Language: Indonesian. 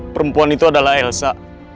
perempuan itu adalah elsa